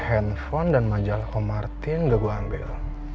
handphone dan majalah om martin gak gue ambil